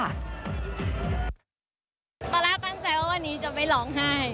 ตอนแรกตั้งใจว่าวันนี้จะไม่ร้องไห้